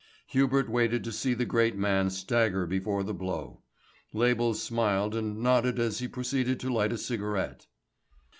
Hubert waited to see the great man stagger before the blow. Label smiled and nodded as he proceeded to light a cigarette.